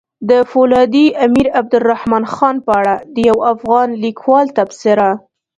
د فولادي امير عبدالرحمن خان په اړه د يو افغان ليکوال تبصره!